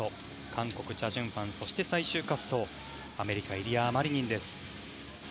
韓国、チャ・ジュンファンそして最終滑走、アメリカイリア・マリニンです。